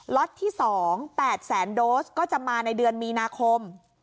ล็อตที่๒๘แสนโดสก็จะมาในเดือนมีนาคม